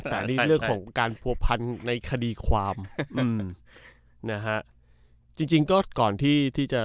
แต่อันนี้เรื่องของการผัวพันในคดีความอืมนะฮะจริงจริงก็ก่อนที่ที่จะ